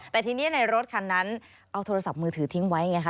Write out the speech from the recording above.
แต่ทีนี้ในรถคันนั้นเอาโทรศัพท์มือถือทิ้งไว้ไงคะ